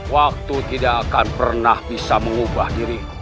waktu tidak akan pernah bisa mengubah diri